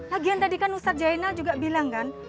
lagian tadi kan ustadz jainal juga bilang kan